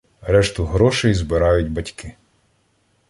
Решту грошей збирають батьки